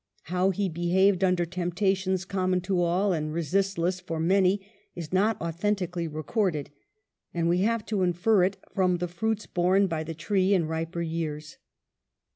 How he behaved under temptations common to all and resistless for many is not authentically recorded, and we have to infer it from the fruits borne by the tree in riper years.